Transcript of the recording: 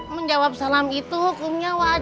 menjawab salam itu hukumnya wajib meningkatkan